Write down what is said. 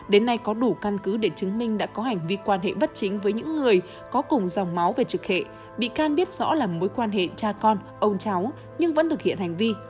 đến nay có đủ căn cứ để chứng minh đã có hành vi quan hệ bất chính với những người có cùng dòng máu về trực hệ bị can biết rõ là mối quan hệ cha con ông cháu nhưng vẫn thực hiện hành vi